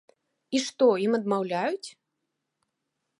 І што, ім адмаўляюць?